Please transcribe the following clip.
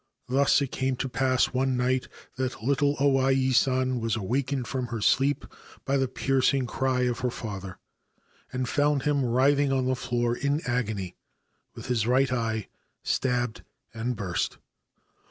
Thus it came to pass one night that little O Ai San was awakened from her sleep by the piercing cry of her father, and found him writhing on the floor in agony, with his right eye stabbed and burst.